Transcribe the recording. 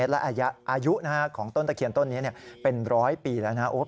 และอายุของต้นตะเคียนต้นนี้เป็นร้อยปีแล้วนะครับ